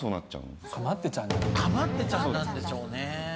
かまってちゃんなんでしょうね。